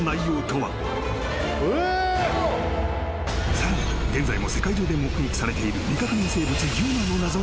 ［さらに現在も世界中で目撃されている未確認生物ＵＭＡの］